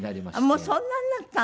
もうそんなになったの。